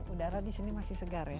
udara di sini masih segar ya